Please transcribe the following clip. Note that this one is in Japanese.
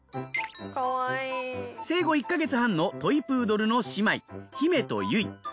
生後１か月半のトイ・プードルの姉妹ヒメとユイ。